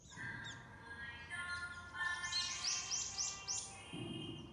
He was director of the Hessian Central State Archives in Wiesbaden.